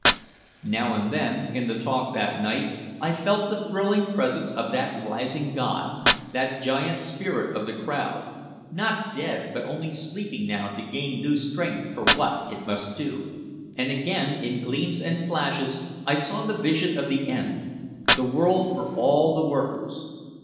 Now and then, in the talk that night, I felt the thrilling presence of that rising god, that giant spirit of the crowd, not dead but only sleeping now to gain new strength for what it must do. And again in gleams and flashes I saw the vision of the end the world for all the workers.